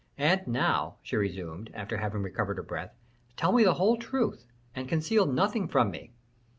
"And now," she resumed, after having recovered her breath, "tell me the whole truth, and conceal nothing from me."